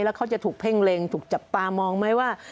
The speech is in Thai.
แล้วเขาจะถูกเพ่งเล็งถูกจับตามองไหมว่า